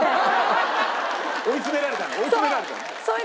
追い詰められたね。